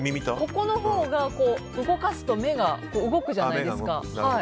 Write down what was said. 頭のほうが、動かすと目が動くじゃないですか。